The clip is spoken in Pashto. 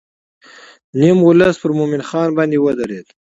نیم ولس پر مومن خان باندې ودرېد.